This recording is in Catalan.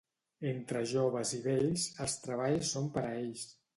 Entre joves i vells, els treballs són per a ells.